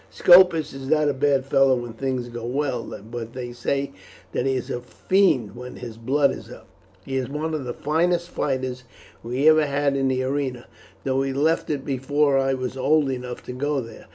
Scopus is not a bad fellow when things go well, but they say that he is a fiend when his blood is up. He is one of the finest fighters we ever had in the arena, though he left it before I was old enough to go there.